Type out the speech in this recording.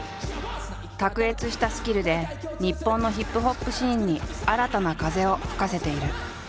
卓越したスキルで日本のＨＩＰＨＯＰシーンに新たな風を吹かせている。